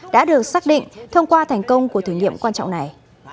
đã được xác định thông qua thành công của thử nghiệm quan trọng này